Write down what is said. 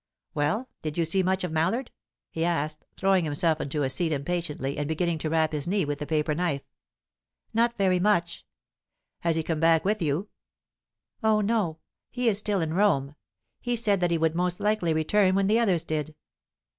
"Well, did you see much of Mallard?" he asked, throwing himself into a seat impatiently, and beginning to rap his knee with the paper knife. "Not very much." "Has he come back with you?" "Oh no; he is still in Rome. He said that he would most likely return when the others did."